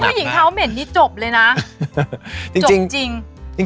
ถ้ามรึงเท้าเหม็นนี่จบจบจริง